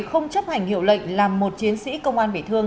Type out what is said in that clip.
không chấp hành hiệu lệnh làm một chiến sĩ công an bị thương